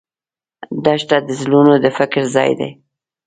دښته د زړونو د فکر ځای دی.